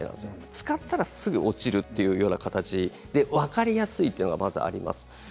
使ったらすぐに落ちるという形で、分かりやすいというのがあります。